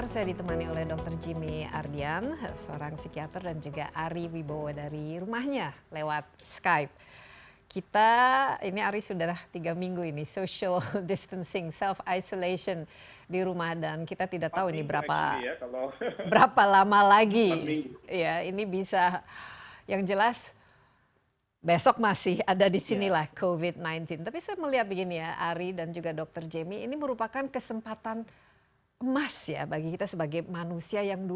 sampai jumpa di video selanjutnya